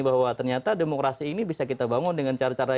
bahwa ternyata demokrasi ini bisa kita bangun dengan cara cara